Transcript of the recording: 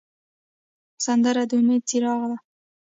سندره د امید څراغ دی